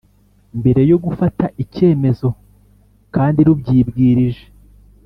Mbere yo gufata icyemezo kandi rubyibwirije